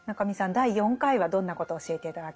第４回はどんなことを教えて頂けますか？